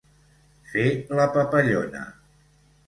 Fer la papallona.